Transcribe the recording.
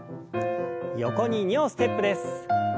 横に２歩ステップです。